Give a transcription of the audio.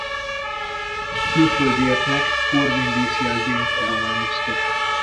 Külföldieknek Corvin-díszjelvényt adományoztak.